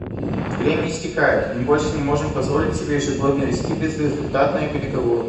Время истекает, и мы больше не можем позволить себе ежегодно вести безрезультатные переговоры.